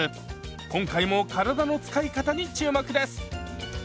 今回も体の使い方に注目です！